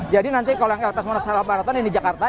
jadi nanti kalau yang lps monas half marathon ini jakarta